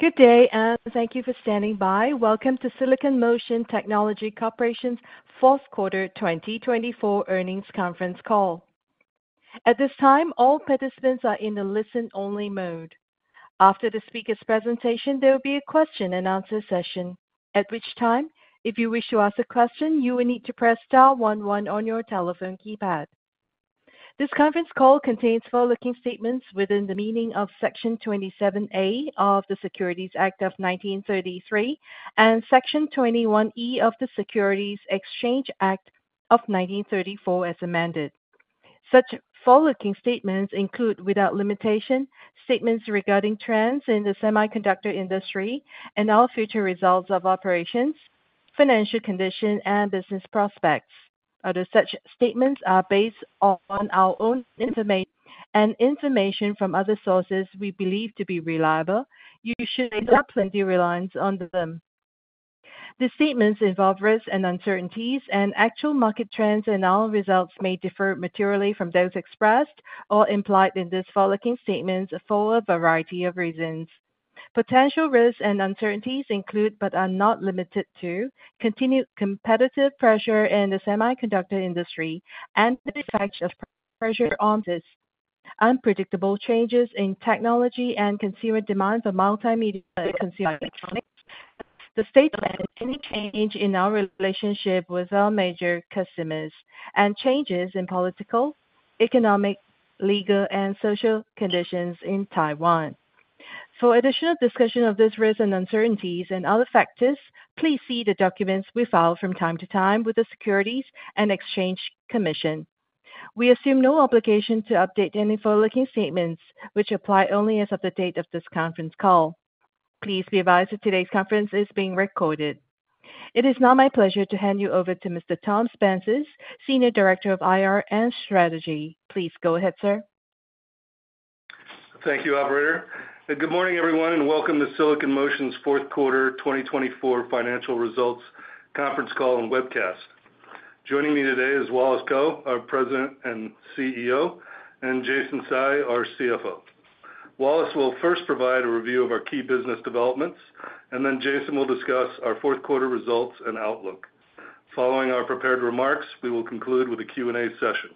Good day, and thank you for standing by. Welcome to Silicon Motion Technology Corporation's Q4 2024 Earnings Conference Call. At this time, all participants are in the listen-only mode. After the speaker's presentation, there will be a question-and-answer session, at which time, if you wish to ask a question, you will need to press star one one on your telephone keypad. This conference call contains forward-looking statements within the meaning of Section 27A of the Securities Act of 1933 and Section 21E of the Securities Exchange Act of 1934, as amended. Such forward-looking statements include, without limitation, statements regarding trends in the semiconductor industry and all future results of operations, financial condition, and business prospects. Although such statements are based on our own information and information from other sources we believe to be reliable, you should not place your reliance on them. The statements involve risks and uncertainties, and actual market trends and all results may differ materially from those expressed or implied in these forward-looking statements for a variety of reasons. Potential risks and uncertainties include, but are not limited to, continued competitive pressure in the semiconductor industry and the effects of pressure on unpredictable changes in technology and consumer demand for multimedia consumer electronics, the state and any change in our relationship with our major customers, and changes in political, economic, legal, and social conditions in Taiwan. For additional discussion of these risks and uncertainties and other factors, please see the documents we file from time to time with the Securities and Exchange Commission. We assume no obligation to update any forward-looking statements, which apply only as of the date of this conference call. Please be advised that today's conference is being recorded. It is now my pleasure to hand you over to Mr. Tom Sepenzis, Senior Director of IR and Strategy. Please go ahead, Sir. Thank you, Operator. Good morning, everyone, and welcome to Silicon Motion's Q4 2024 Financial Results Conference Call and webcast. Joining me today is Wallace Kou, our President and CEO, and Jason Tsai, our CFO. Wallace will first provide a review of our key business developments, and then Jason will discuss our Q4 results and outlook. Following our prepared remarks, we will conclude with a Q&A session.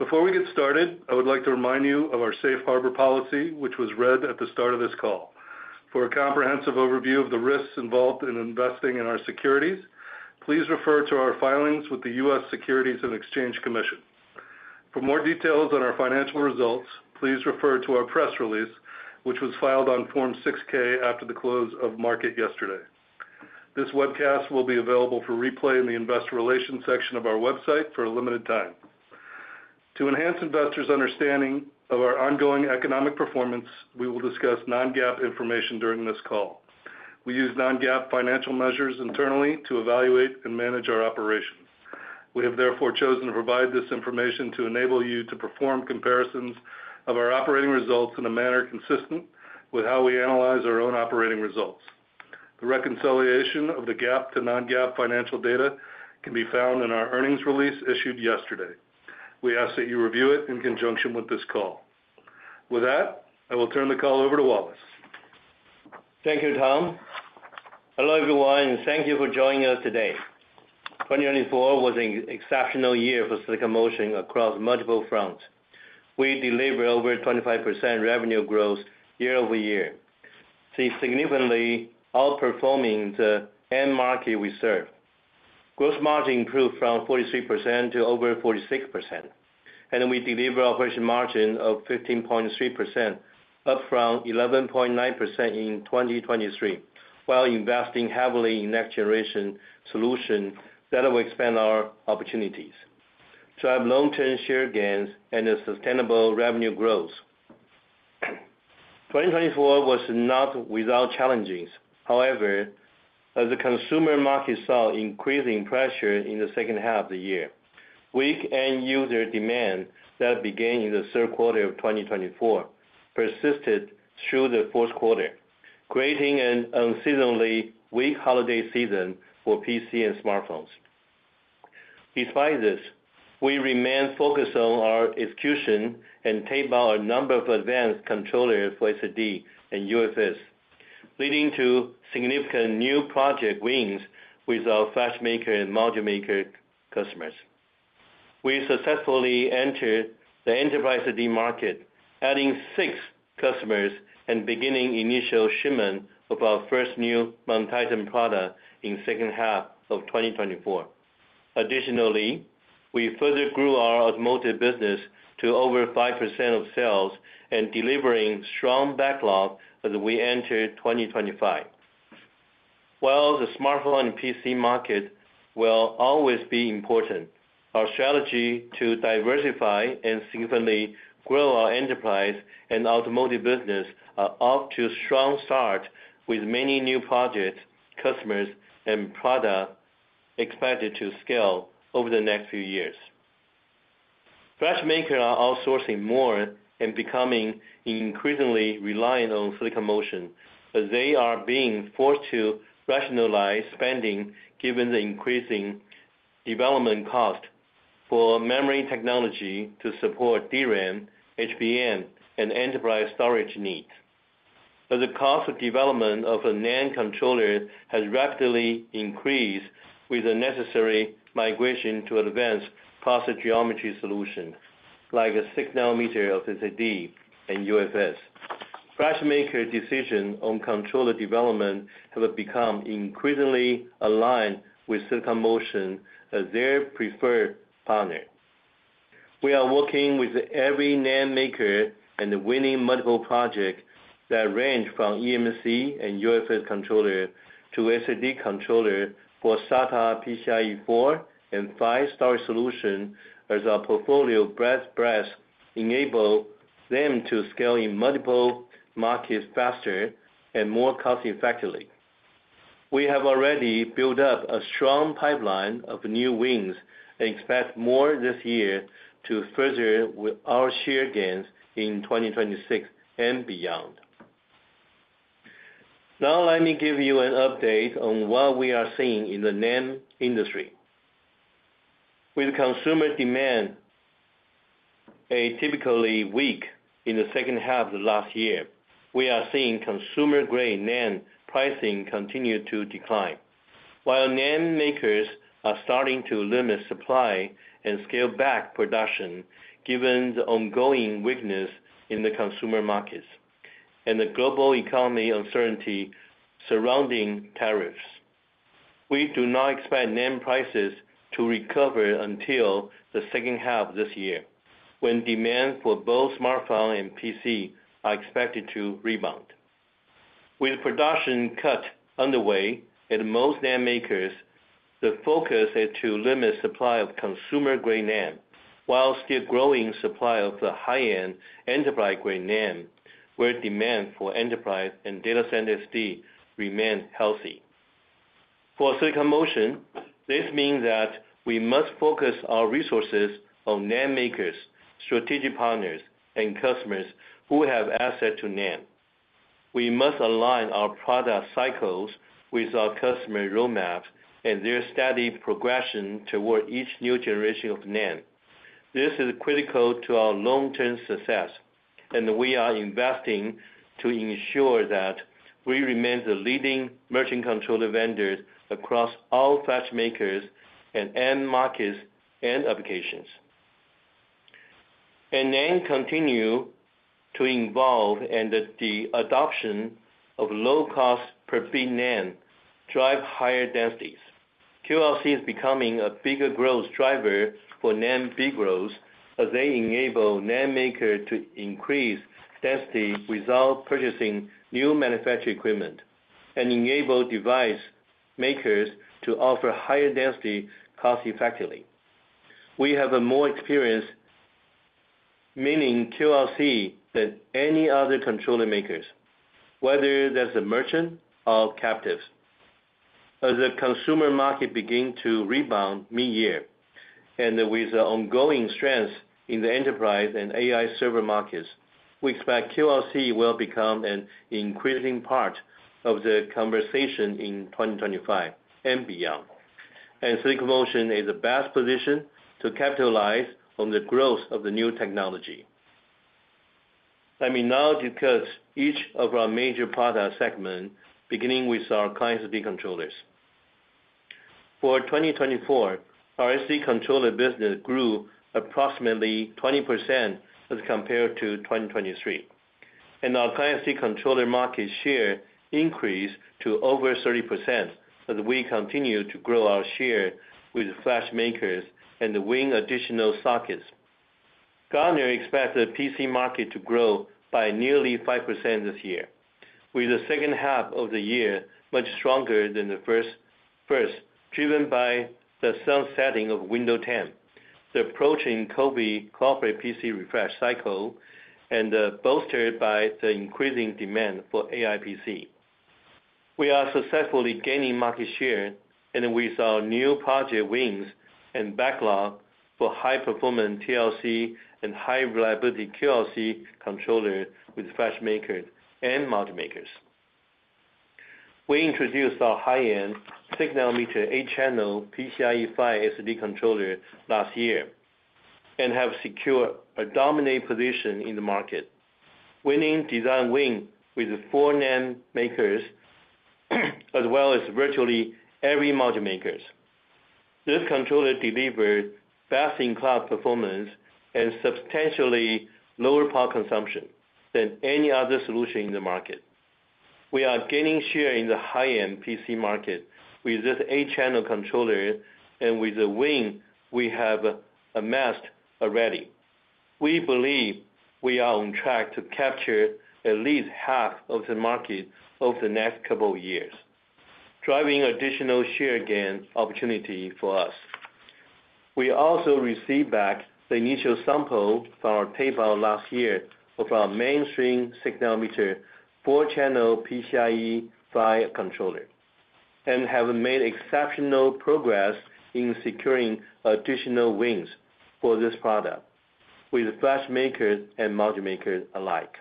Before we get started, I would like to remind you of our safe harbor policy, which was read at the start of this call. For a comprehensive overview of the risks involved in investing in our securities, please refer to our filings with the U.S. Securities and Exchange Commission. For more details on our financial results, please refer to our press release, which was filed on Form 6-K after the close of market yesterday. This webcast will be available for replay in the investor relations section of our website for a limited time. To enhance investors' understanding of our ongoing economic performance, we will discuss non-GAAP information during this call. We use non-GAAP financial measures internally to evaluate and manage our operations. We have therefore chosen to provide this information to enable you to perform comparisons of our operating results in a manner consistent with how we analyze our own operating results. The reconciliation of the GAAP to non-GAAP financial data can be found in our earnings release issued yesterday. We ask that you review it in conjunction with this call. With that, I will turn the call over to Wallace. Thank you, Tom. Hello, everyone, and thank you for joining us today. 2024 was an exceptional year for Silicon Motion across multiple fronts. We delivered over 25% revenue growth year-over-year, significantly outperforming the end market we serve. Gross margin improved from 43% to over 46%, and we delivered operating margin of 15.3%, up from 11.9% in 2023, while investing heavily in next-generation solutions that will expand our opportunities, drive long-term share gains, and sustainable revenue growth. 2024 was not without challenges. However, as the consumer market saw increasing pressure in the second half of the year, weak end-user demand that began in the Q3 of 2024 persisted through the Q4, creating an unseasonably weak holiday season for PC and smartphones. Despite this, we remained focused on our execution and taped out a number of advanced controllers for SSD and UFS, leading to significant new project wins with our flash maker and module maker customers. We successfully entered the enterprise SSD market, adding six customers and beginning initial shipment of our first new MonTitan product in the second half of 2024. Additionally, we further grew our automotive business to over 5% of sales and delivering strong backlog as we entered 2025. While the smartphone and PC market will always be important, our strategy to diversify and significantly grow our enterprise and automotive business are off to a strong start, with many new projects, customers, and products expected to scale over the next few years. Flash makers are outsourcing more and becoming increasingly reliant on Silicon Motion, as they are being forced to rationalize spending given the increasing development cost for memory technology to support DRAM, HBM, and enterprise storage needs. The cost of development of a NAND controller has rapidly increased with the necessary migration to advanced process geometry solutions like 6-nanometer SSD and UFS. Flash makers' decisions on controller development have become increasingly aligned with Silicon Motion as their preferred partner. We are working with every NAND maker and winning multiple projects that range from eMMC and UFS controllers to SSD controllers for SATA PCIe 4 and 5 storage solutions, as our portfolio breadth enables them to scale in multiple markets faster and more cost-effectively. We have already built up a strong pipeline of new wins and expect more this year to further our share gains in 2026 and beyond. Now, let me give you an update on what we are seeing in the NAND industry. With consumer demand typically weak in the second half of the last year, we are seeing consumer-grade NAND pricing continue to decline, while NAND makers are starting to limit supply and scale back production given the ongoing weakness in the consumer markets and the global economy uncertainty surrounding tariffs. We do not expect NAND prices to recover until the second half of this year, when demand for both smartphones and PCs are expected to rebound. With production cuts underway at most NAND makers, the focus is to limit the supply of consumer-grade NAND while still growing the supply of the high-end enterprise-grade NAND, where demand for enterprise and data center SSDs remains healthy. For Silicon Motion, this means that we must focus our resources on NAND makers, strategic partners, and customers who have access to NAND. We must align our product cycles with our customer roadmaps and their steady progression toward each new generation of NAND. This is critical to our long-term success, and we are investing to ensure that we remain the leading merchant controller vendors across all flash makers and end markets and applications and NAND continues to evolve, and the adoption of low-cost per-bit NAND drives higher densities. QLC is becoming a bigger growth driver for NAND, big growth, as they enable NAND makers to increase density without purchasing new manufacturing equipment and enable device makers to offer higher density cost-effectively. We have more experience winning QLC than any other controller makers, whether they're merchants or captives. As the consumer market begins to rebound mid-year and with ongoing strength in the enterprise and AI server markets, we expect QLC will become an increasing part of the conversation in 2025 and beyond. Silicon Motion is the best positioned to capitalize on the growth of the new technology. Let me now discuss each of our major product segments, beginning with our client SSD controllers. For 2024, our SD controller business grew approximately 20% as compared to 2023, and our client SSD controller market share increased to over 30% as we continue to grow our share with flash makers and win additional sockets. Gartner expects the PC market to grow by nearly 5% this year, with the second half of the year much stronger than the first, driven by the sunsetting of Windows 10, the approaching COVID corporate PC refresh cycle, and bolstered by the increasing demand for AI PC. We are successfully gaining market share, and with our new project wins and backlog for high-performance TLC and high-reliability QLC controllers with flash makers and module makers. We introduced our high-end eight-channel PCIe 5.0 SSD controller last year and have secured a dominant position in the market, winning design wins with four NAND makers as well as virtually every module maker. This controller delivers best-in-class performance and substantially lower power consumption than any other solution in the market. We are gaining share in the high-end PC market with this eight-channel controller and with the win we have amassed already. We believe we are on track to capture at least half of the market over the next couple of years, driving additional share gain opportunities for us. We also received back the initial sample from our tape-out last year of our mainstream 6-nanometer four-channel PCIe 5 controller and have made exceptional progress in securing additional wins for this product with flash makers and module makers alike.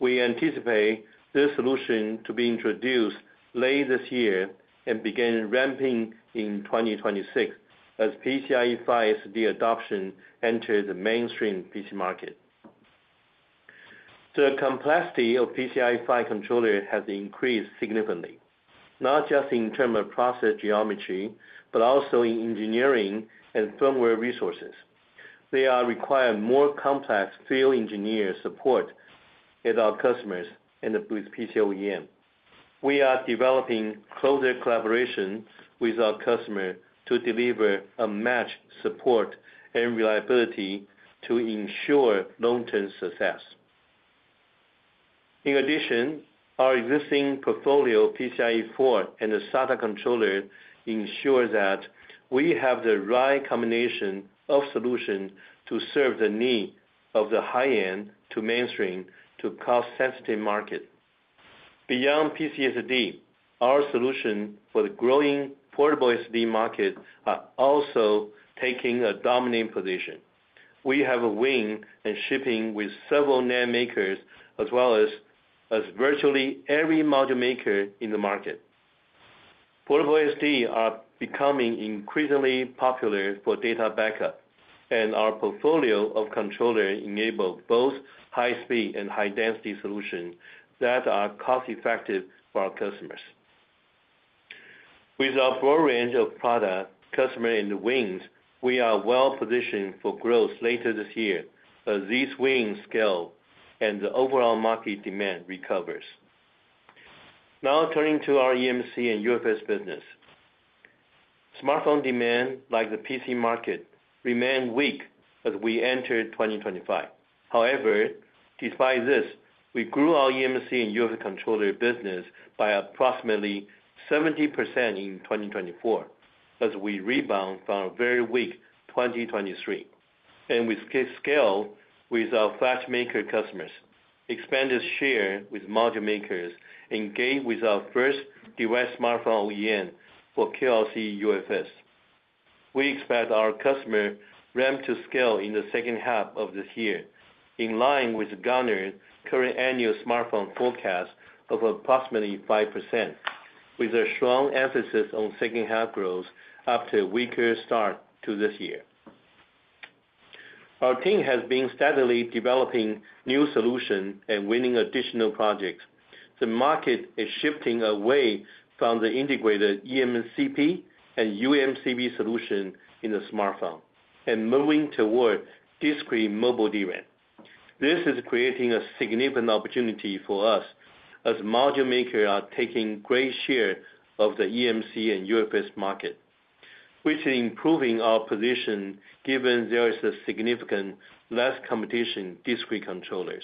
We anticipate this solution to be introduced late this year and begin ramping in 2026 as PCIe 5 SSD adoption enters the mainstream PC market. The complexity of PCIe 5 controllers has increased significantly, not just in terms of process geometry but also in engineering and firmware resources. They require more complex field engineer support at our customers and with PC OEM. We are developing closer collaboration with our customers to deliver unmatched support and reliability to ensure long-term success. In addition, our existing portfolio of PCIe 4 and the SATA controller ensures that we have the right combination of solutions to serve the needs of the high-end to mainstream to cost-sensitive markets. Beyond PC SSD, our solutions for the growing portable SSD market are also taking a dominant position. We have a win in shipping with several NAND makers as well as virtually every module maker in the market. Portable SSDs are becoming increasingly popular for data backup, and our portfolio of controllers enables both high-speed and high-density solutions that are cost-effective for our customers. With our broad range of product customers and wins, we are well-positioned for growth later this year as these wins scale and the overall market demand recovers. Now, turning to our eMMC and UFS business, smartphone demand, like the PC market, remained weak as we entered 2025. However, despite this, we grew our eMMC and UFS controller business by approximately 70% in 2024 as we rebound from a very weak 2023, and we scaled with our flash maker customers, expanded share with module makers, and gained our first direct smartphone OEM for QLC UFS. We expect our customer ramp to scale in the second half of this year, in line with Gartner's current annual smartphone forecast of approximately 5%, with a strong emphasis on second-half growth after a weaker start to this year. Our team has been steadily developing new solutions and winning additional projects. The market is shifting away from the integrated eMCP and uMCP solution in the smartphone and moving toward discrete mobile DRAM. This is creating a significant opportunity for us as module makers are taking great share of the eMMC and UFS market, which is improving our position given there is a significant less competition for discrete controllers.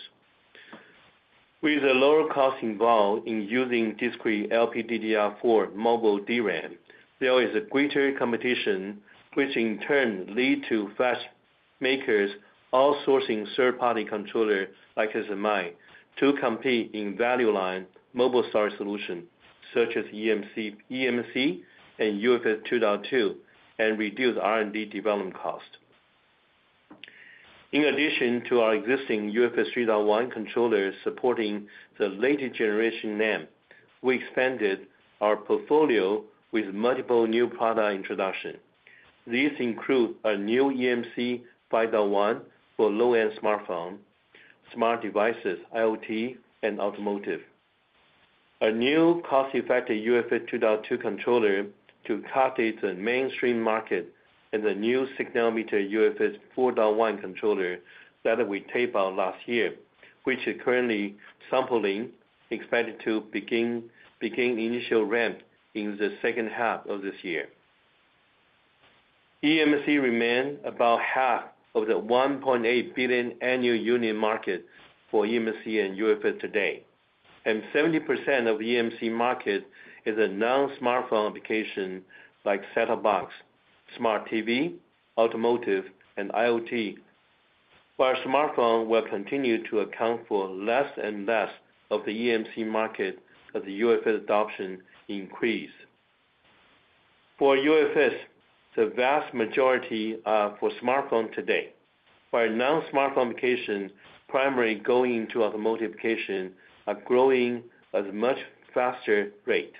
With the lower cost involved in using discrete LPDDR4 mobile DRAM, there is greater competition, which in turn leads to flash makers outsourcing third-party controllers like SMI to compete in value line mobile storage solutions such as eMMC and UFS 2.2 and reduce R&D development costs. In addition to our existing UFS 3.1 controllers supporting the latest generation NAND, we expanded our portfolio with multiple new product introductions. These include a new eMMC 5.1 for low-end smartphones, smart devices, IoT, and automotive, a new cost-effective UFS 2.2 controller to capture its mainstream market, and the new single-mode UFS 4.0 controller that we taped out last year, which is currently sampling, expected to begin initial ramp in the second half of this year. eMMC remains about half of the 1.8 billion annual unit market for eMMC and UFS today, and 70% of eMMC market is a non-smartphone application like set-top box, smart TV, automotive, and IoT, while smartphones will continue to account for less and less of the eMMC market as UFS adoption increases. For UFS, the vast majority are for smartphones today, while non-smartphone applications primarily going into automotive applications are growing at a much faster rate.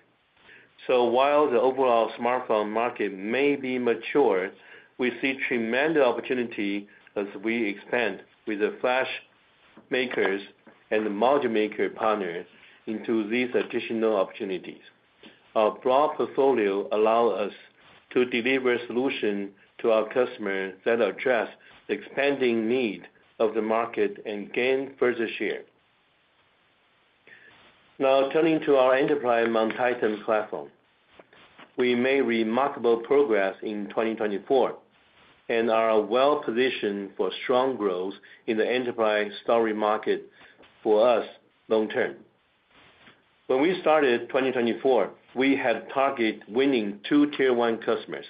While the overall smartphone market may be mature, we see tremendous opportunity as we expand with the flash makers and the module maker partners into these additional opportunities. Our broad portfolio allows us to deliver solutions to our customers that address the expanding needs of the market and gain further share. Now, turning to our enterprise MonTitan platform, we made remarkable progress in 2024 and are well-positioned for strong growth in the enterprise storage market for us long-term. When we started 2024, we had targeted winning two tier-one customers.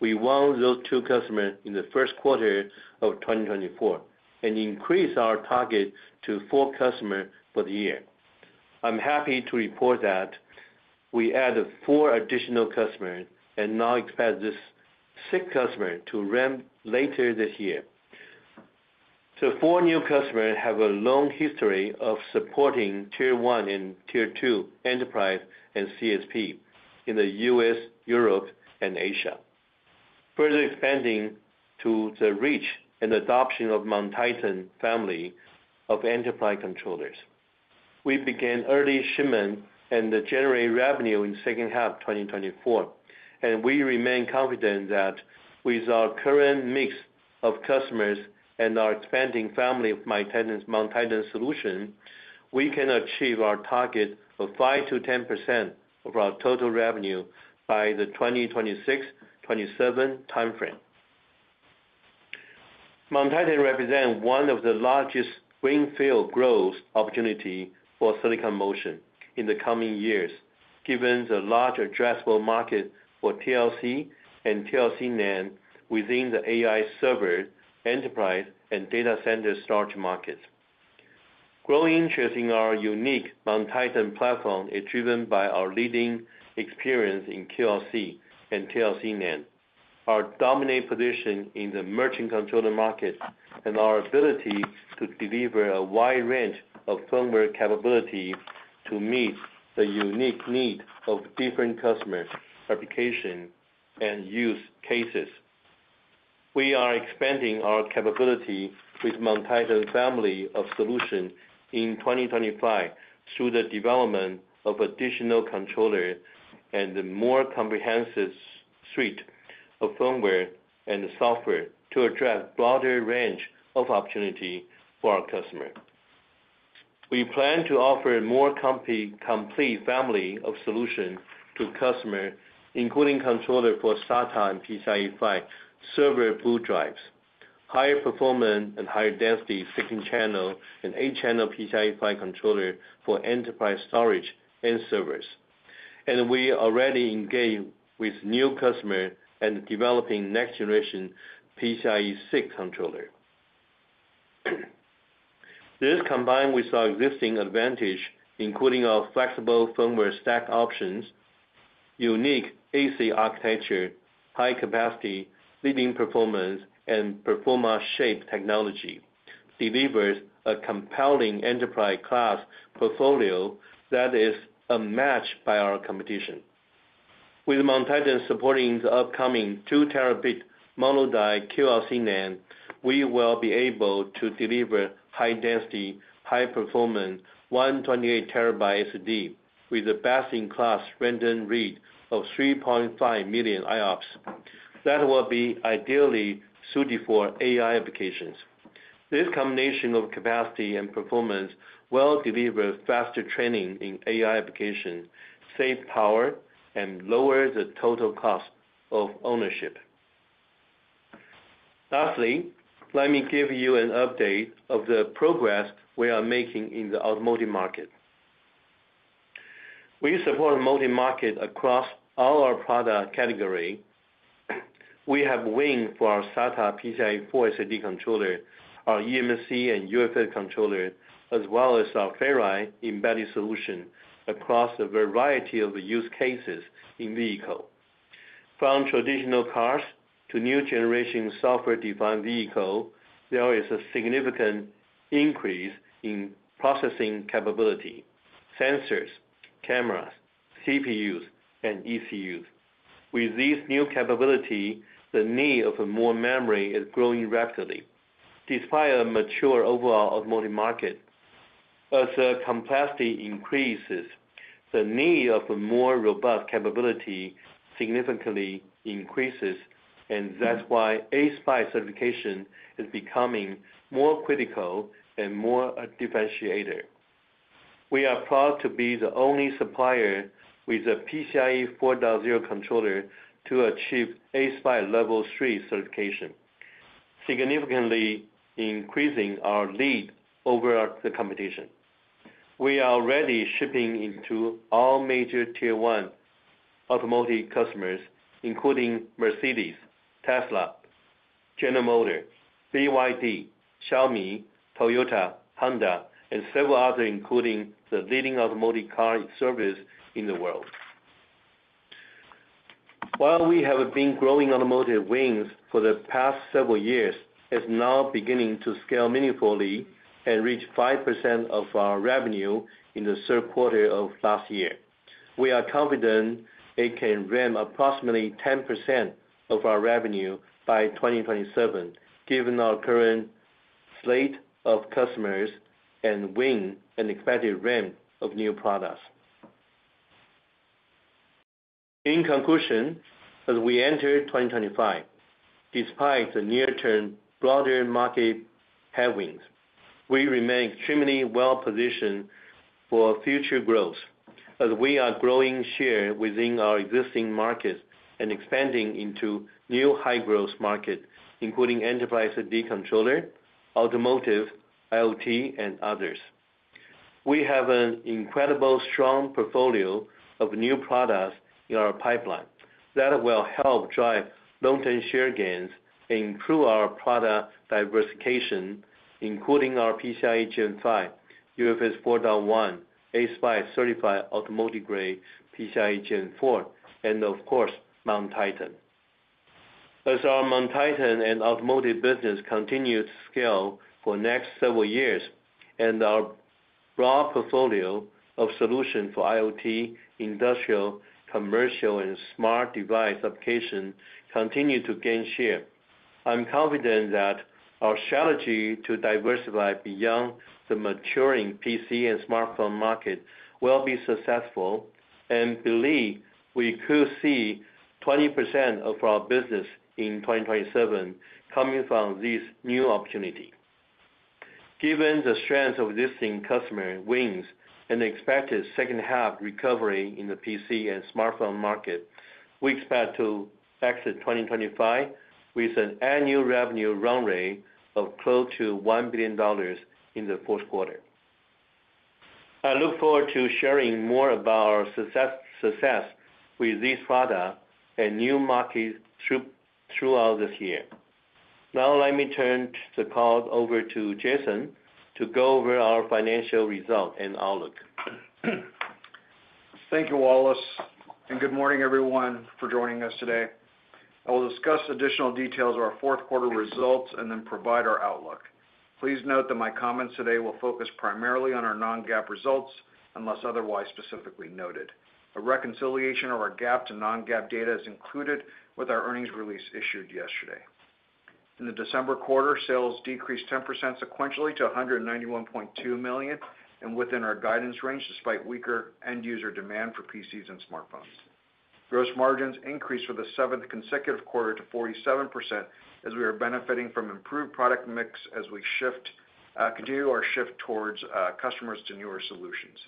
We won those two customers in the Q1 of 2024 and increased our target to four customers for the year. I'm happy to report that we added four additional customers and now expect this sixth customer to ramp later this year. Four new customers have a long history of supporting tier-one and tier-two enterprise and CSP in the U.S., Europe, and Asia, further expanding to the reach and adoption of the MonTitan family of enterprise controllers. We began early shipment and generated revenue in the second half of 2024, and we remain confident that with our current mix of customers and our expanding family of MonTitan solutions, we can achieve our target of 5% to 10% of our total revenue by the 2026 to 2027 timeframe. MonTitan represents one of the largest greenfield growth opportunities for Silicon Motion in the coming years, given the large addressable market for TLC and TLC NAND within the AI server enterprise and data center storage markets. Growing interest in our unique MonTitan platform is driven by our leading experience in QLC and TLC NAND, our dominant position in the merchant controller market, and our ability to deliver a wide range of firmware capabilities to meet the unique needs of different customer applications and use cases. We are expanding our capability with the MonTitan family of solutions in 2025 through the development of additional controllers and a more comprehensive suite of firmware and software to address a broader range of opportunities for our customers. We plan to offer a more complete family of solutions to customers, including controllers for SATA and PCIe 5 server boot drives, higher-performance and higher-density second-channel and eight-channel PCIe 5 controllers for enterprise storage and servers, and we are already engaged with new customers and developing next-generation PCIe 6 controllers. This, combined with our existing advantages, including our flexible firmware stack options, unique ASIC architecture, high capacity, leading performance, and PerformaShape technology, delivers a compelling enterprise-class portfolio that is unmatched by our competition. With MonTitan supporting the upcoming 2-terabit mono-die QLC NAND, we will be able to deliver high-density, high-performance 128TB SSD with a best-in-class random read of 3.5 million IOPS that will be ideally suited for AI applications. This combination of capacity and performance will deliver faster training in AI applications, save power, and lower the total cost of ownership. Lastly, let me give you an update of the progress we are making in the automotive market. We support a multi-market across all our product categories. We have win for our SATA PCIe 4 SSD controllers, our eMMC and UFS controllers, as well as our Ferri embedded solutions across a variety of use cases in vehicles. From traditional cars to new-generation software-defined vehicles, there is a significant increase in processing capability: sensors, cameras, CPUs, and ECUs. With this new capability, the need for more memory is growing rapidly. Despite a mature overall automotive market, as the complexity increases, the need for more robust capability significantly increases, and that's why ASPICE certification is becoming more critical and more differentiated. We are proud to be the only supplier with a PCIe 4.0 controller to achieve ASPICE Level 3 certification, significantly increasing our lead over the competition. We are already shipping into all major tier-one automotive customers, including Mercedes, Tesla, General Motors, BYD, Xiaomi, Toyota, Honda, and several others, including the leading automotive Uncertain in the world. While we have been growing automotive wins for the past several years, it is now beginning to scale meaningfully and reach 5% of our revenue in the Q3 of last year. We are confident it can ramp approximately 10% of our revenue by 2027, given our current slate of customers and wins and expected ramp of new products. In conclusion, as we enter 2025, despite the near-term broader market headwinds, we remain extremely well-positioned for future growth as we are growing share within our existing markets and expanding into new high-growth markets, including enterprise SSD controllers, automotive, IoT, and others. We have an incredibly strong portfolio of new products in our pipeline that will help drive long-term share gains and improve our product diversification, including our PCIe Gen 5, UFS 4.0, ASPICE certified automotive-grade PCIe Gen 4, and of course, MonTitan. As our MonTitan and automotive business continues to scale for the next several years and our broad portfolio of solutions for IoT, industrial, commercial, and smart device applications continue to gain share, I'm confident that our strategy to diversify beyond the maturing PC and smartphone market will be successful, and I believe we could see 20% of our business in 2027 coming from this new opportunity. Given the strength of existing customer wins and expected second-half recovery in the PC and smartphone market, we expect to exit 2025 with an annual revenue run rate of close to $1 billion in the Q4. I look forward to sharing more about our success with these products and new markets throughout this year. Now, let me turn the call over to Jason to go over our financial results and outlook. Thank you, Wallace, and good morning, everyone, for joining us today. I will discuss additional details of our Q4 results and then provide our outlook. Please note that my comments today will focus primarily on our non-GAAP results unless otherwise specifically noted. A reconciliation of our GAAP to non-GAAP data is included with our earnings release issued yesterday. In the December quarter, sales decreased 10% sequentially to $191.2 million and within our guidance range despite weaker end-user demand for PCs and smartphones. Gross margins increased for the seventh consecutive quarter to 47% as we are benefiting from improved product mix as we continue our shift towards customers to newer solutions.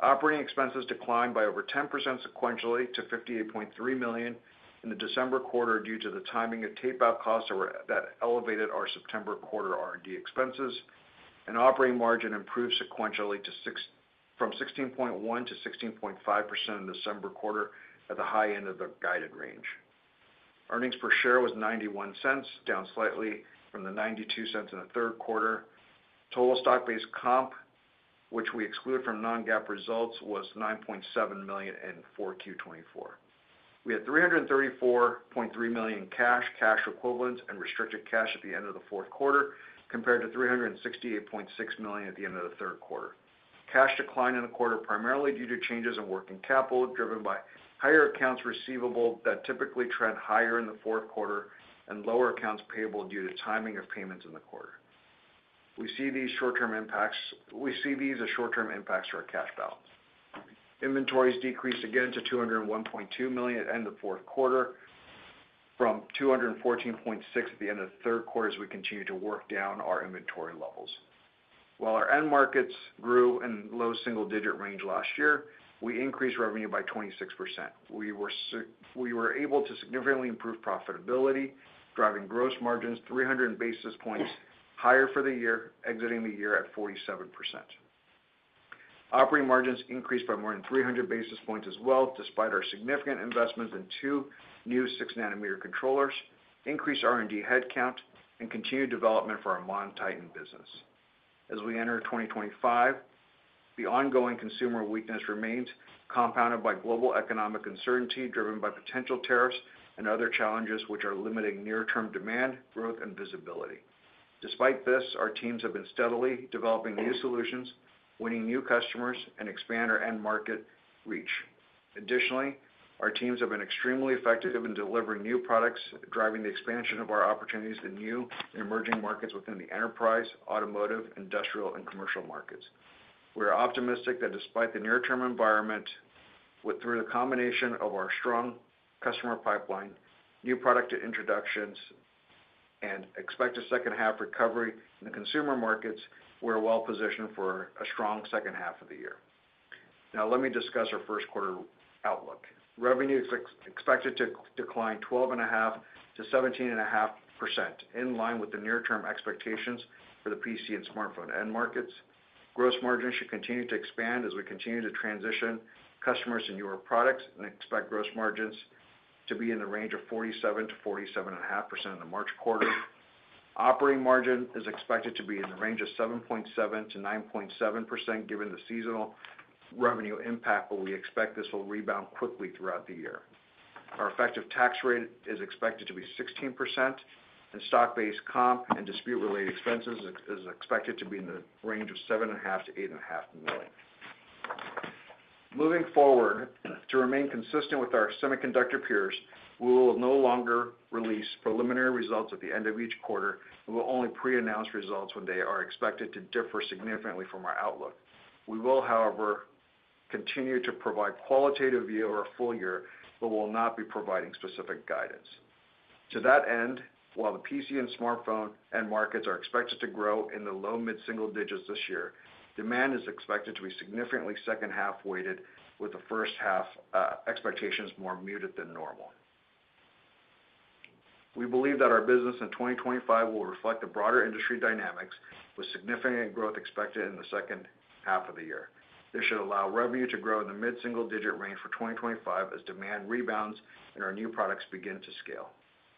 Operating expenses declined by over 10% sequentially to $58.3 million in the December quarter due to the timing of tape-out costs that elevated our September quarter R&D expenses, and operating margin improved sequentially from 16.1% to 16.5% in the December quarter at the high end of the guided range. Earnings per share was $0.91, down slightly from the $0.92 in the Q3. Total stock-based comp, which we excluded from non-GAAP results, was $9.7 million in Q4 2024. We had $334.3 million in cash, cash equivalents, and restricted cash at the end of the Q4 compared to $368.6 million at the end of the Q3. Cash declined in the quarter primarily due to changes in working capital driven by higher accounts receivable that typically trend higher in the Q4 and lower accounts payable due to timing of payments in the quarter. We see these as short-term impacts to our cash balance. Inventories decreased again to $201.2 million at the end of the Q4 from $214.6 million at the end of the Q3 as we continue to work down our inventory levels. While our end markets grew in low single-digit range last year, we increased revenue by 26%. We were able to significantly improve profitability, driving gross margins 300 basis points higher for the year, exiting the year at 47%. Operating margins increased by more than 300 basis points as well, despite our significant investments in two new 6-nanometer controllers, increased R&D headcount, and continued development for our MonTitan business. As we enter 2025, the ongoing consumer weakness remains compounded by global economic uncertainty driven by potential tariffs and other challenges which are limiting near-term demand, growth, and visibility. Despite this, our teams have been steadily developing new solutions, winning new customers, and expanding our end market reach. Additionally, our teams have been extremely effective in delivering new products, driving the expansion of our opportunities in new and emerging markets within the enterprise, automotive, industrial, and commercial markets. We are optimistic that despite the near-term environment, through the combination of our strong customer pipeline, new product introductions, and expected second-half recovery in the consumer markets, we're well-positioned for a strong second half of the year. Now, let me discuss our Q1 outlook. Revenue is expected to decline 12.5% to 17.5%, in line with the near-term expectations for the PC and smartphone end markets. Gross margins should continue to expand as we continue to transition customers to newer products and expect gross margins to be in the range of 47% to 47.5% in the March quarter. Operating margin is expected to be in the range of 7.7% to 9.7% given the seasonal revenue impact, but we expect this will rebound quickly throughout the year. Our effective tax rate is expected to be 16%, and stock-based comp and dispute-related expenses are expected to be in the range of 7.5% to 8.5%. Moving forward, to remain consistent with our semiconductor peers, we will no longer release preliminary results at the end of each quarter. We will only pre-announce results when they are expected to differ significantly from our outlook. We will, however, continue to provide qualitative view of our full year, but will not be providing specific guidance. To that end, while the PC and smartphone end markets are expected to grow in the low-mid single digits this year, demand is expected to be significantly second-half weighted, with the first half expectations more muted than normal. We believe that our business in 2025 will reflect the broader industry dynamics, with significant growth expected in the second half of the year. This should allow revenue to grow in the mid-single-digit range for 2025 as demand rebounds and our new products begin to scale.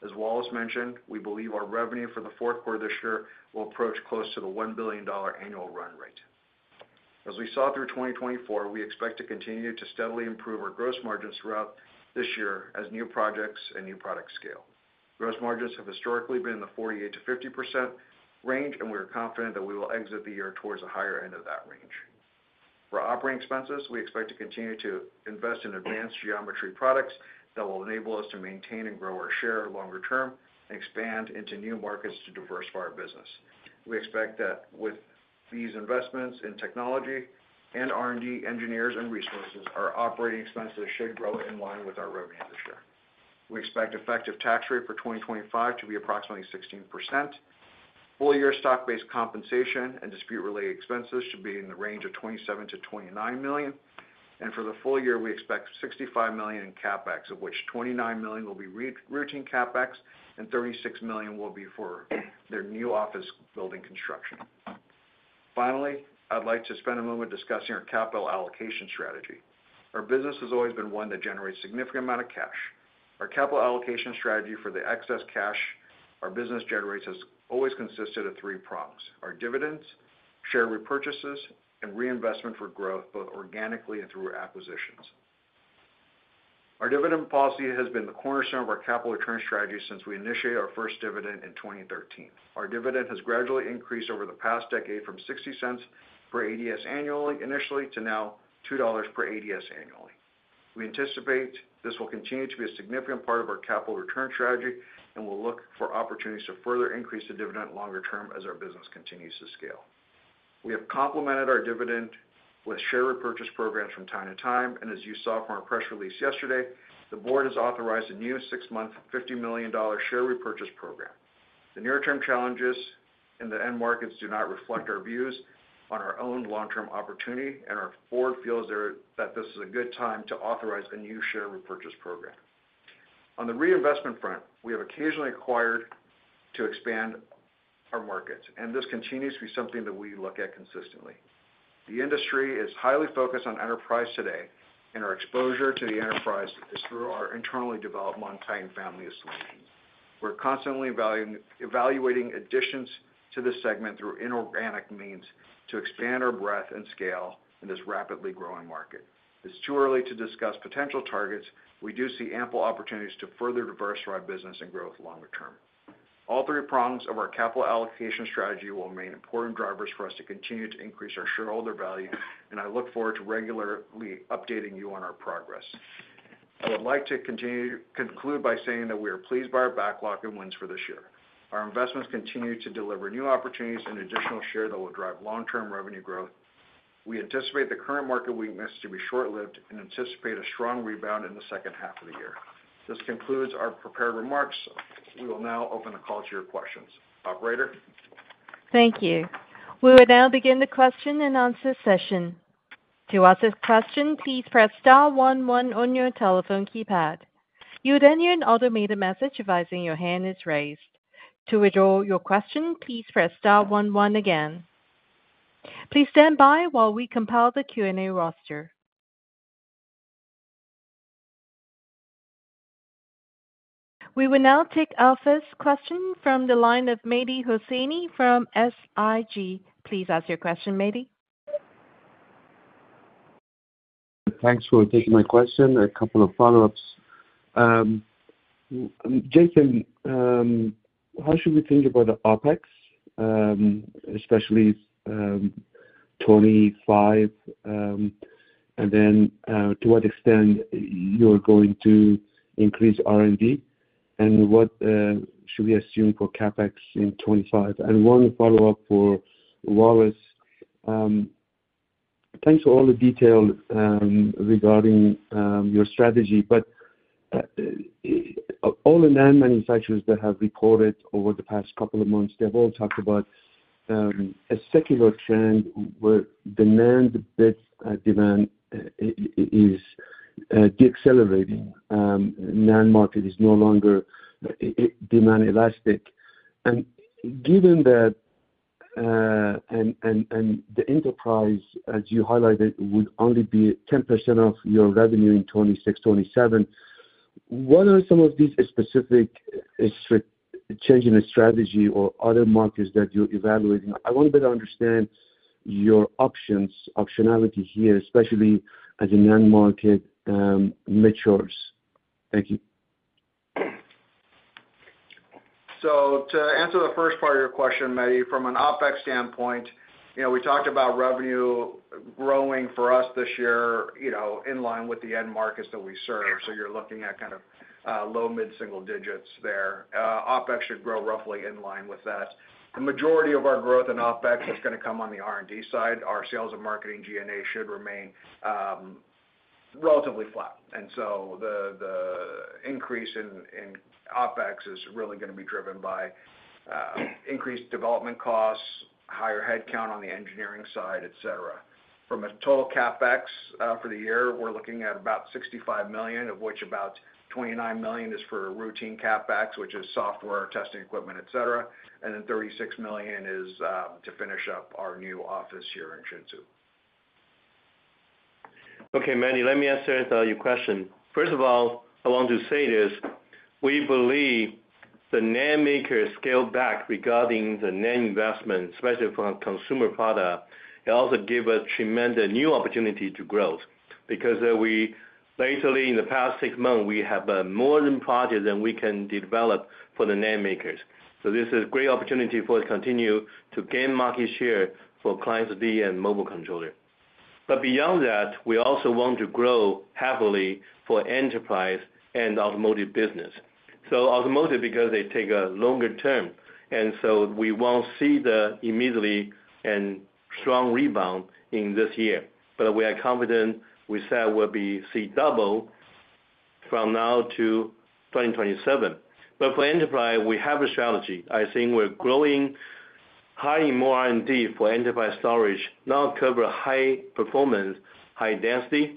As Wallace mentioned, we believe our revenue for the Q4 this year will approach close to the $1 billion annual run rate. As we saw through 2024, we expect to continue to steadily improve our gross margins throughout this year as new projects and new products scale. Gross margins have historically been in the 48% to 50% range, and we are confident that we will exit the year towards a higher end of that range. For operating expenses, we expect to continue to invest in advanced geometry products that will enable us to maintain and grow our share longer term and expand into new markets to diversify our business. We expect that with these investments in technology and R&D engineers and resources, our operating expenses should grow in line with our revenue this year. We expect effective tax rate for 2025 to be approximately 16%. Full-year stock-based compensation and dispute-related expenses should be in the range of $27 to 29 million, and for the full year, we expect $65 million in CapEx, of which $29 million will be routine CapEx and $36 million will be for their new office building construction. Finally, I'd like to spend a moment discussing our capital allocation strategy. Our business has always been one that generates a significant amount of cash. Our capital allocation strategy for the excess cash our business generates has always consisted of three prongs: our dividends, share repurchases, and reinvestment for growth, both organically and through acquisitions. Our dividend policy has been the cornerstone of our capital return strategy since we initiated our first dividend in 2013. Our dividend has gradually increased over the past decade from $0.60 per ADS annually initially to now $2 per ADS annually. We anticipate this will continue to be a significant part of our capital return strategy and will look for opportunities to further increase the dividend longer term as our business continues to scale. We have complemented our dividend with share repurchase programs from time to time, and as you saw from our press release yesterday, the board has authorized a new six-month $50 million share repurchase program. The near-term challenges in the end markets do not reflect our views on our own long-term opportunity, and our board feels that this is a good time to authorize a new share repurchase program. On the reinvestment front, we have occasionally acquired to expand our markets, and this continues to be something that we look at consistently. The industry is highly focused on enterprise today, and our exposure to the enterprise is through our internally developed MonTitan family of solutions. We're constantly evaluating additions to the segment through inorganic means to expand our breadth and scale in this rapidly growing market. It's too early to discuss potential targets. We do see ample opportunities to further diversify business and growth longer term. All three prongs of our capital allocation strategy will remain important drivers for us to continue to increase our shareholder value, and I look forward to regularly updating you on our progress. I would like to conclude by saying that we are pleased by our backlog and wins for this year. Our investments continue to deliver new opportunities and additional share that will drive long-term revenue growth. We anticipate the current market weakness to be short-lived and anticipate a strong rebound in the second half of the year. This concludes our prepared remarks. We will now open the call to your questions. Operator. Thank you. We will now begin the question and answer session. To ask a question, please press star one one on your telephone keypad. You will then hear an automated message advising your hand is raised. To withdraw your question, please press star one one again. Please stand by while we compile the Q&A roster. We will now take our first question from the line of Mehdi Hosseini from SIG. Please ask your question, Mehdi. Thanks for taking my question. A couple of follow-ups. Jason, how should we think about the OpEx, especially 2025, and then to what extent you are going to increase R&D, and what should we assume for CapEx in 2025? And one follow-up for Wallace. Thanks for all the detail regarding your strategy, but all the NAND manufacturers that have reported over the past couple of months, they've all talked about a secular trend where bit demand is decelerating. NAND market is no longer demand-elastic. And given that the enterprise, as you highlighted, would only be 10% of your revenue in 2026, 2027. What are some of these specific changes in strategy or other markets that you're evaluating? I want to better understand your options, optionality here, especially as the NAND market matures. Thank you. So to answer the first part of your question, Mehdi, from an OpEx standpoint, we talked about revenue growing for us this year in line with the end markets that we serve. So you're looking at kind of low-mid single digits there. OpEx should grow roughly in line with that. The majority of our growth in OpEx is going to come on the R&D side. Our sales and marketing G&A should remain relatively flat. And so the increase in OpEx is really going to be driven by increased development costs, higher headcount on the engineering side, etc. From a total CapEx for the year, we're looking at about $65 million, of which about $29 million is for routine CapEx, which is software, testing equipment, etc., and then $36 million is to finish up our new office here in Hsinchu. Okay, Mehdi, let me answer your question. First of all, I want to say this. We believe the NAND makers scale back regarding the under-investment, especially for consumer products. It also gives us tremendous new opportunities to grow because lately, in the past six months, we have more projects than we can develop for the NAND makers. This is a great opportunity for us to continue to gain market share for Client SSD and mobile controllers. Beyond that, we also want to grow heavily for enterprise and automotive business. Automotive, because they take a longer term, and so we won't see the immediate and strong rebound in this year. We are confident we said we'll be seeing double from now to 2027. For enterprise, we have a strategy. I think we're growing, hiring more R&D for enterprise storage, now cover high performance, high density,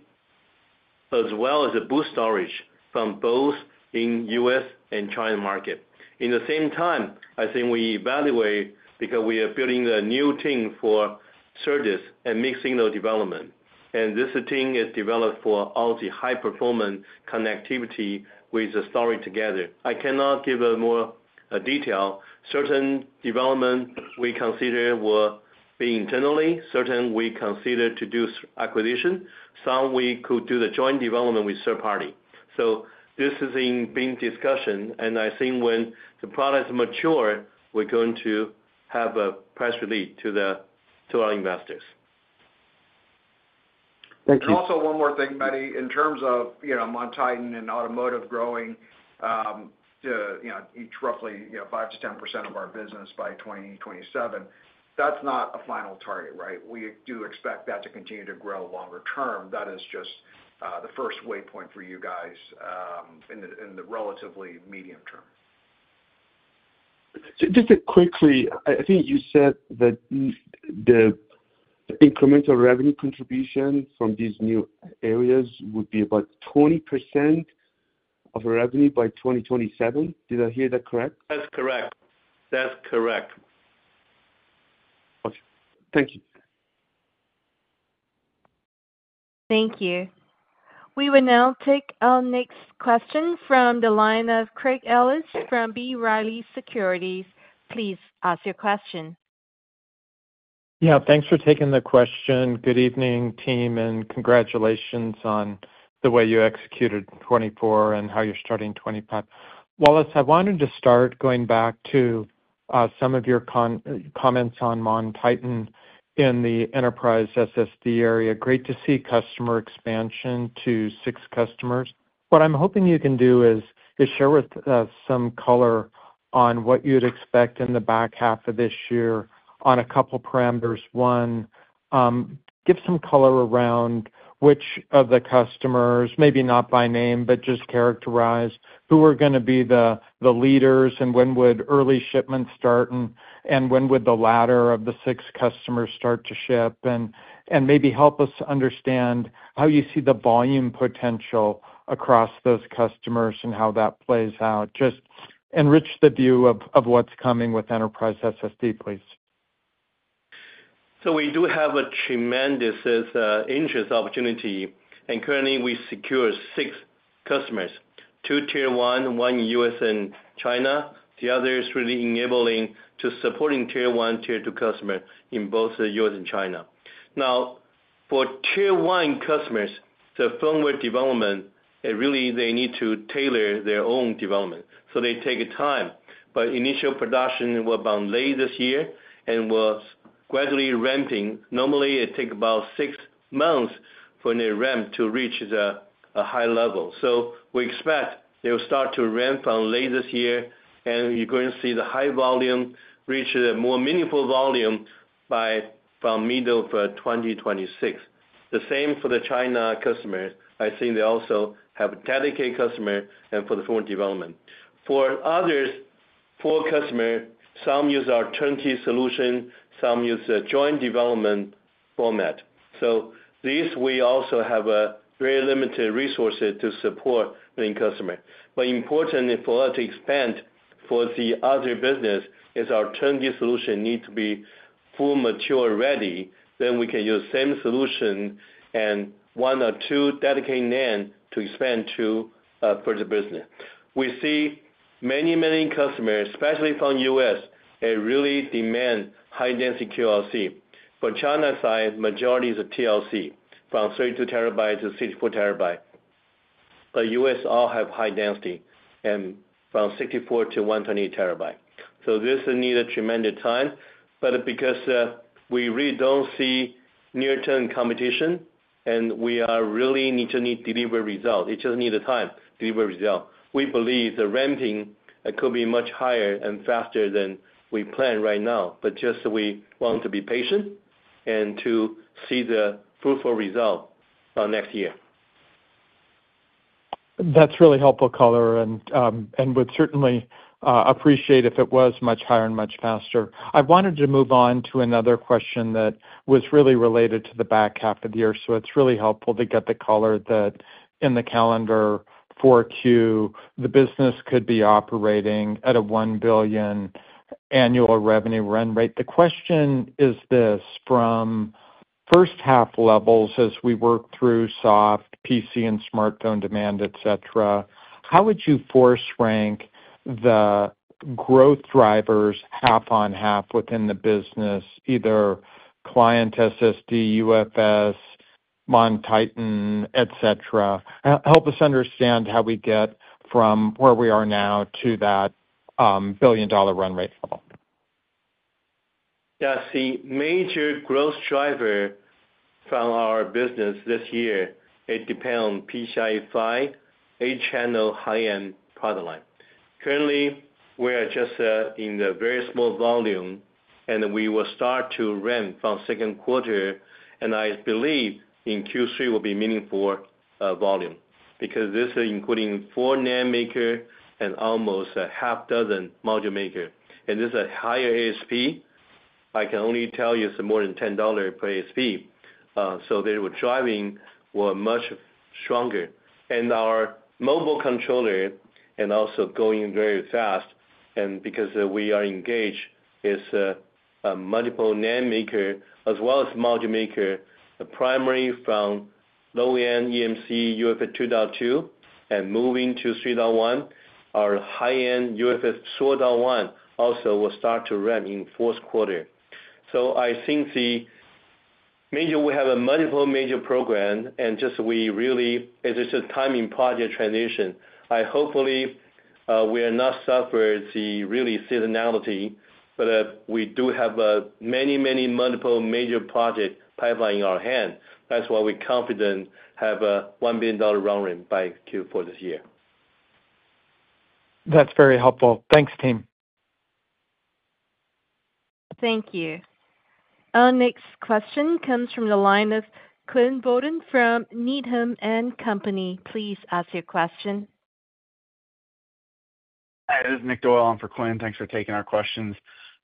as well as a boot storage from both the US and China market. In the same time, I think we evaluate because we are building a new team for SerDes and mixed signal development. And this team is developed for all the high-performance connectivity with the storage together. I cannot give more detail. Certain developments we consider will be internally. Certain we consider to do acquisition. Some we could do the joint development with third party. So this is in being discussion, and I think when the products mature, we're going to have a press release to our investors. Thank you, And also one more thing, Mehdi, in terms of MonTitan and automotive growing to each roughly 5% to 10% of our business by 2027, that's not a final target, right? We do expect that to continue to grow longer term. That is just the first waypoint for you guys in the relatively medium term. Just quickly, I think you said that the incremental revenue contribution from these new areas would be about 20% of revenue by 2027. Did I hear that correct? That's correct. That's correct. Okay. Thank you. Thank you. We will now take our next question from the line of Craig Ellis from B. Riley Securities. Please ask your question. Yeah. Thanks for taking the question. Good evening, team, and congratulations on the way you executed 2024 and how you're starting 2025. Wallace, I wanted to start going back to some of your comments on MonTitan in the enterprise SSD area. Great to see customer expansion to six customers. What I'm hoping you can do is share with us some color on what you'd expect in the back half of this year on a couple of parameters. One, give some color around which of the customers, maybe not by name, but just characterize who are going to be the leaders and when would early shipments start and when would the latter of the six customers start to ship, and maybe help us understand how you see the volume potential across those customers and how that plays out. Just enrich the view of what's coming with enterprise SSD, please. So we do have a tremendous interesting opportunity. And currently, we secure six customers: two Tier 1, one US and China. The other is really enabling and supporting Tier 1, Tier 2 customers in both the US and China. Now, for Tier 1 customers, the firmware development, really, they need to tailor their own development. So they take time. But initial production will be on late this year and will gradually ramping. Normally, it takes about six months for a ramp to reach a high level. So we expect they will start to ramp on late this year, and you're going to see the high volume reach a more meaningful volume by mid of 2026. The same for the China customers. I think they also have a dedicated customer and for the firmware development. For others, four customers, some use our turnkey solution, some use a joint development format. So these, we also have very limited resources to support main customers. But important for us to expand for the other business is our turnkey solution needs to be full mature ready. Then we can use the same solution and one or two dedicated names to expand to for the business. We see many, many customers, especially from the US, really demand high-density QLC. For China side, the majority is TLC, from 32 to 64TB. But US all have high density and 64 to 20TB. So this needs a tremendous time. But because we really don't see near-term competition and we really need to deliver results, it just needs time to deliver results. We believe the ramping could be much higher and faster than we plan right now, but just we want to be patient and to see the fruitful result next year. That's really helpful color, and we'd certainly appreciate it if it was much higher and much faster. I wanted to move on to another question that was really related to the back half of the year. So it's really helpful to get the color that in the calendar 4Q, the business could be operating at a $1 billion annual revenue run rate. The question is this: from first-half levels, as we work through soft PC and smartphone demand, etc., how would you force rank the growth drivers half on half within the business, either Client SSD, UFS, MonTitan, etc.? Help us understand how we get from where we are now to that billion-dollar run rate level. Yeah. So, major growth driver from our business this year depends on PCIe 5, 8-channel high-end product line. Currently, we are just in the very small volume, and we will start to ramp from second quarter. And I believe in Q3 will be meaningful volume because this is including four NAND makers and almost a half dozen module makers. And this is a higher ASP. I can only tell you it's more than $10 per ASP. So the driving will be much stronger. And our mobile controller is also going very fast. And because we are engaged, it's a multiple NAND maker as well as module maker, primarily from low-end eMMC UFS 2.2 and moving to 3.1. Our high-end UFS 4.0 also will start to ramp in Q4. So I think the major we have multiple major programs, and just we really it's just a timing project transition. I hopefully we are not suffering the really seasonality, but we do have many, many multiple major projects pipelining in our hands. That's why we're confident we have a $1 billion run rate by Q4 this year. That's very helpful. Thanks, team. Thank you. Our next question comes from the line of Quinn Bolton from Needham & Company. Please ask your question. Hi, this is Nick Doyle for Quinn. Thanks for taking our questions.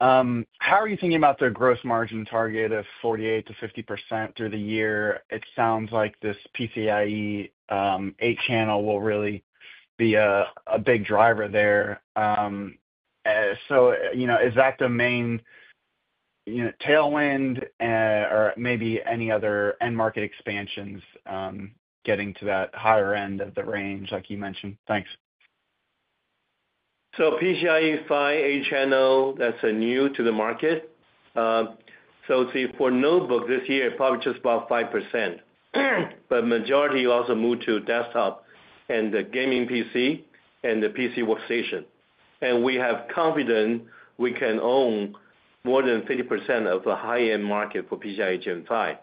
How are you thinking about the gross margin target of 48% to 50% through the year? It sounds like this PCIe 8-channel will really be a big driver there. So is that the main tailwind or maybe any other end market expansions getting to that higher end of the range like you mentioned? Thanks. So PCIe 5, 8-channel, that's new to the market. So for notebooks this year, probably just about 5%. But the majority also moved to desktop and the gaming PC and the PC workstation. And we have confidence we can own more than 50% of the high-end market for PCIe Gen5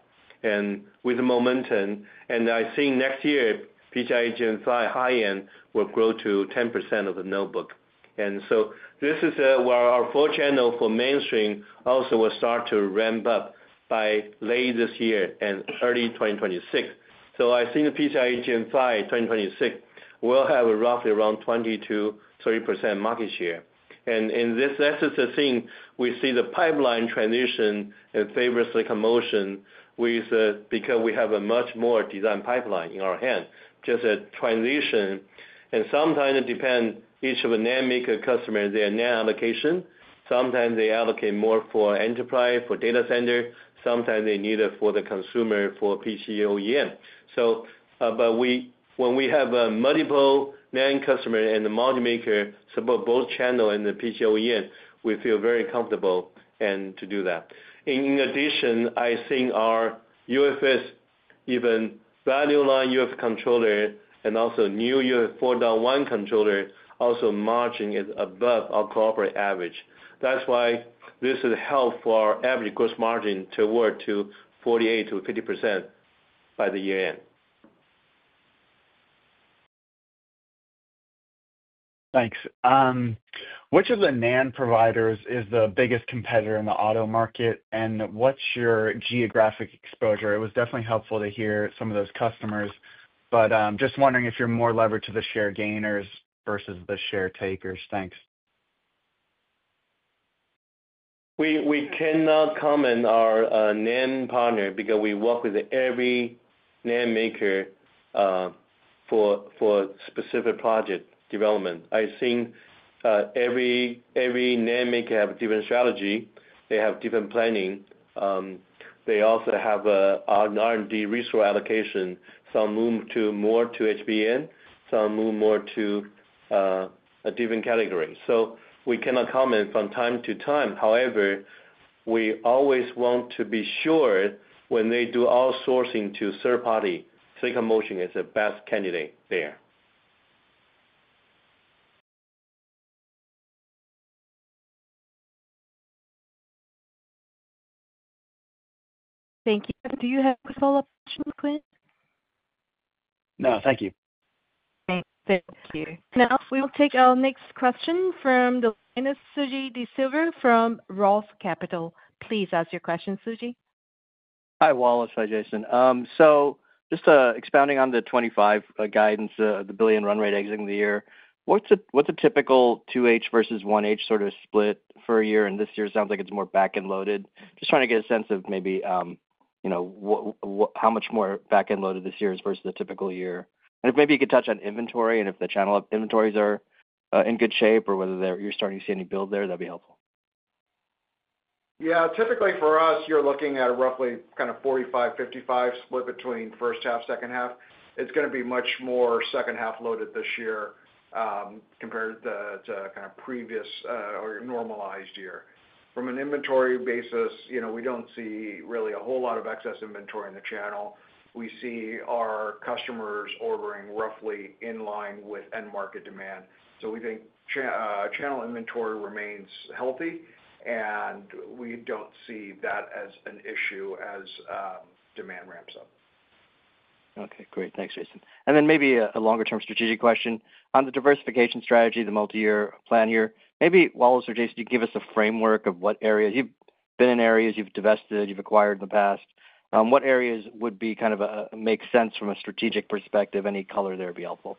and with the momentum. And I think next year, PCIe Gen5 high-end will grow to 10% of the notebook. And so this is where our four-channel for mainstream also will start to ramp up by late this year and early 2026. So I think the PCIe Gen5 2026 will have roughly around 20% to 30% market share. And in this, that's just a thing. We see the pipeline transition in favor of Silicon Motion because we have a much more design pipeline in our hand. Just a transition. And sometimes it depends on each of the NAND maker customers, their NAND allocation. Sometimes they allocate more for enterprise, for data center. Sometimes they need it for the consumer, for PC OEM. But when we have multiple NAND customers and the module maker support both channels and the PC OEM, we feel very comfortable to do that. In addition, I think our UFS, even value line UFS controller, and also new UFS 4.0 controller, also margin is above our corporate average. That's why this would help for our average gross margin to work to 48% to 50% by year-end. Thanks. Which of the NAND providers is the biggest competitor in the auto market, and what's your geographic exposure? It was definitely helpful to hear some of those customers. But just wondering if you're more leveraged to the share gainers versus the share takers. Thanks. We cannot comment on our NAND partner because we work with every NAND maker for specific project development. I think every NAND maker has a different strategy. They have different planning. They also have an R&D resource allocation. Some move more to HBM. Some move more to a different category. So we cannot comment from time to time. However, we always want to be sure when they do outsourcing to third party, Silicon Motion is the best candidate there. Thank you. Do you have a follow-up question, Quinn? No. Thank you. Thank you. Now, we will take our next question from the line of Suji Desilva from Roth Capital. Please ask your question, Suji. Hi, Wallace. Hi, Jason. So just expounding on the 2025 guidance, the $1 billion run rate exiting the year, what's a typical 2H versus 1H sort of split for a year? And this year sounds like it's more back-end loaded. Just trying to get a sense of maybe how much more back-end loaded this year is versus a typical year. And if maybe you could touch on inventory and if the channel inventories are in good shape or whether you're starting to see any build there, that'd be helpful. Yeah. Typically for us, you're looking at a roughly kind of 45/55 split between first half, second half. It's going to be much more second half loaded this year compared to kind of previous or normalized year. From an inventory basis, we don't see really a whole lot of excess inventory in the channel. We see our customers ordering roughly in line with end market demand. So we think channel inventory remains healthy, and we don't see that as an issue as demand ramps up. Okay. Great. Thanks, Jason. And then maybe a longer-term strategic question on the diversification strategy, the multi-year plan here. Maybe Wallace or Jason, you give us a framework of what areas you've been in, areas you've divested, you've acquired in the past. What areas would kind of make sense from a strategic perspective? Any color there would be helpful.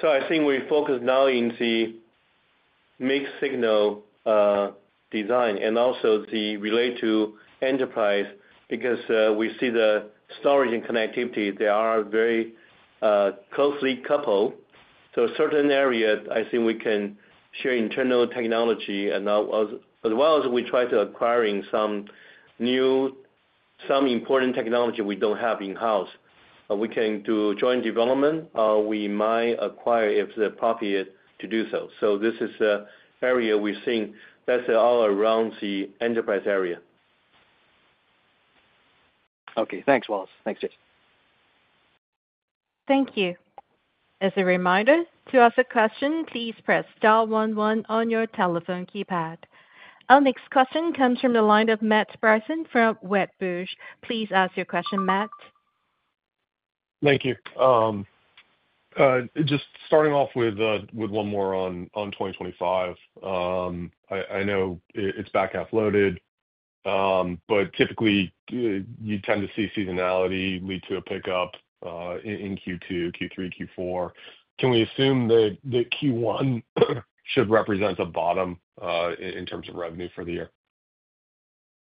So I think we focus now in the mixed signal design and also that relate to enterprise because we see the storage and connectivity. They are very closely coupled. So certain areas, I think we can share internal technology. And as well as we try to acquire some important technology we don't have in-house, we can do joint development. We might acquire if it's appropriate to do so. So this is an area we're seeing. That's all around the enterprise area. Okay. Thanks, Wallace. Thanks, Jason. Thank you. As a reminder, to ask a question, please press star one one on your telephone keypad. Our next question comes from the line of Matt Bryson from Wedbush. Please ask your question, Matt. Thank you. Just starting off with one more on 2025. I know it's back half loaded, but typically, you tend to see seasonality lead to a pickup in Q2, Q3, Q4. Can we assume that Q1 should represent a bottom in terms of revenue for the year?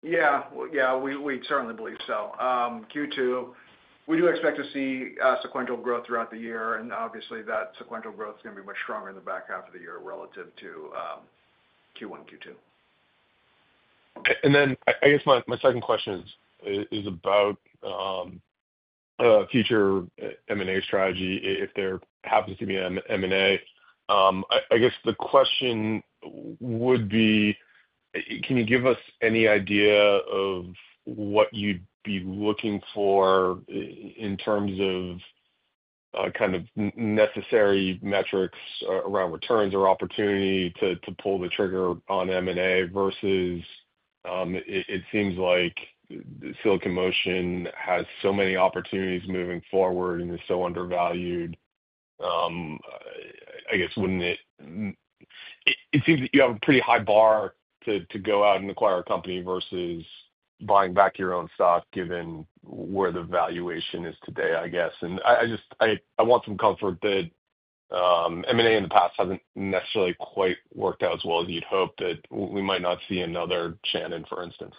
Yeah. Yeah. We certainly believe so. Q2, we do expect to see sequential growth throughout the year. And obviously, that sequential growth is going to be much stronger in the back half of the year relative to Q1, Q2. Okay. And then I guess my second question is about future M&A strategy. If there happens to be an M&A, I guess the question would be, can you give us any idea of what you'd be looking for in terms of kind of necessary metrics around returns or opportunity to pull the trigger on M&A versus it seems like Silicon Motion has so many opportunities moving forward and is so undervalued. I guess it seems that you have a pretty high bar to go out and acquire a company versus buying back your own stock given where the valuation is today, I guess. And I want some comfort that M&A in the past hasn't necessarily quite worked out as well as you'd hope, that we might not see another Shannon, for instance.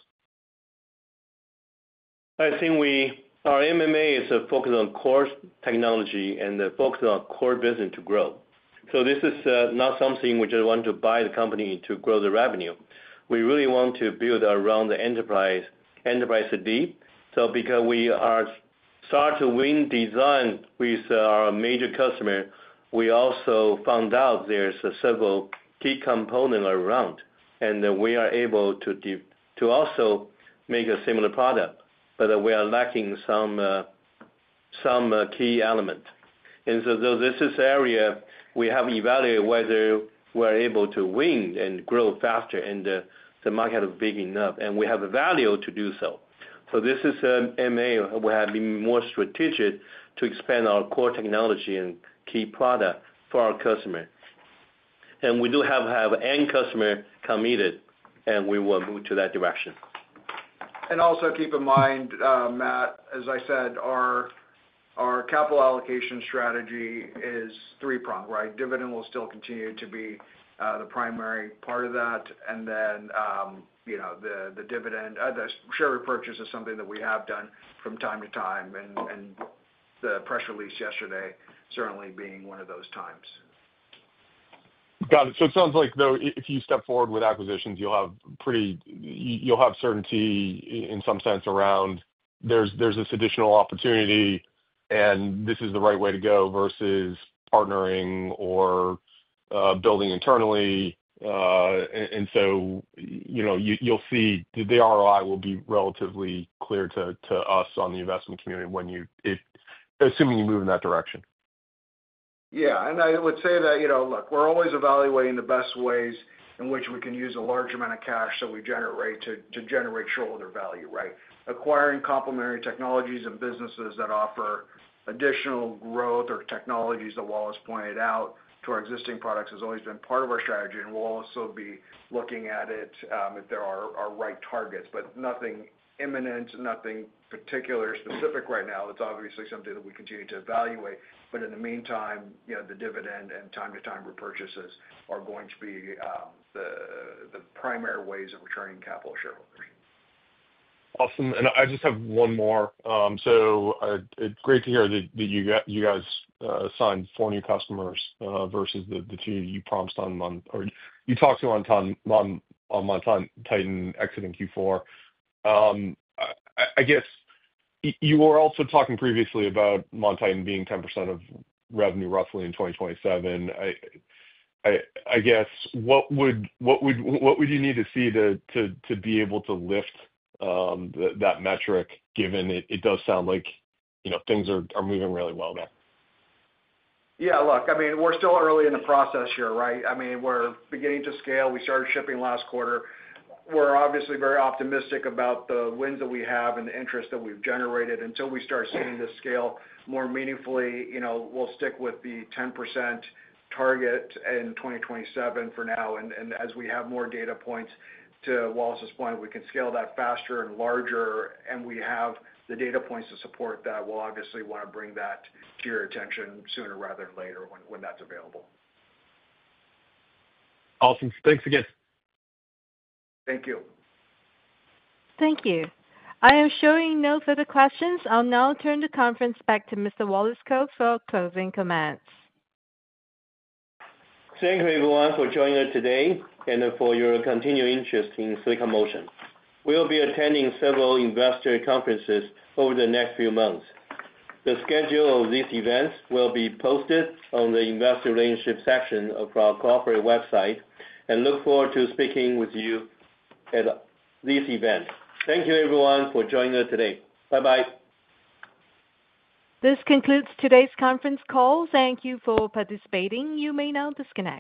I think our M&A is focused on core technology and focused on core business to grow. So this is not something we just want to buy the company to grow the revenue. We really want to build around the Uncertain (possibly 'enterprise storage', 'enterprise breadth', or 'enterprise SSDs'). So because we are starting to win design with our major customers, we also found out there's several key components around, and we are able to also make a similar product, but we are lacking some key elements. This is an area we have evaluated whether we're able to win and grow faster and the market is big enough, and we have the value to do so. This is an M&A where we have been more strategic to expand our core technology and key product for our customers. We do have end customer committed, and we will move to that direction. Also keep in mind, Matt, as I said, our capital allocation strategy is three-prong, right? Dividend will still continue to be the primary part of that. Then the share repurchase is something that we have done from time to time, and the press release yesterday certainly being one of those times. Got it. So it sounds like, though, if you step forward with acquisitions, you'll have certainty in some sense around there's this additional opportunity, and this is the right way to go versus partnering or building internally. And so you'll see the ROI will be relatively clear to the investment community assuming you move in that direction. Yeah. And I would say that, look, we're always evaluating the best ways in which we can use a large amount of cash that we generate to generate shareholder value, right? Acquiring complementary technologies and businesses that offer additional growth or technologies that add to our existing products, as Wallace pointed out, has always been part of our strategy. And we'll also be looking at it if there are right targets, but nothing imminent, nothing particularly specific right now. It's obviously something that we continue to evaluate. But in the meantime, the dividend and time-to-time repurchases are going to be the primary ways of returning capital shareholders. Awesome. And I just have one more. So great to hear that you guys signed four new customers versus the two you promised on or you talked to on MonTitan exiting Q4. I guess you were also talking previously about MonTitan being 10% of revenue roughly in 2027. I guess what would you need to see to be able to lift that metric given it does sound like things are moving really well now? Yeah. Look, I mean, we're still early in the process here, right? I mean, we're beginning to scale. We started shipping last quarter. We're obviously very optimistic about the wins that we have and the interest that we've generated. Until we start seeing this scale more meaningfully, we'll stick with the 10% target in 2027 for now, and as we have more data points to Wallace Kou's point, we can scale that faster and larger, and we have the data points to support that. We'll obviously want to bring that to your attention sooner rather than later when that's available. Awesome. Thanks again. Thank you. Thank you. I am showing no further questions. I'll now turn the conference back to Mr. Wallace Kou for closing comments. Thank you, everyone, for joining us today and for your continued interest in Silicon Motion. We'll be attending several investor conferences over the next few months. The schedule of these events will be posted on the Investor Relations section of our corporate website, and look forward to speaking with you at these events. Thank you, everyone, for joining us today. Bye-bye. This concludes today's conference call. Thank you for participating. You may now disconnect.